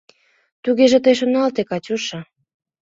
— Тугеже тый шоналте, Катюша.